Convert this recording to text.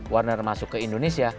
warner masuk ke indonesia